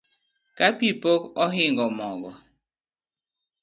Ka pi pok ohingo m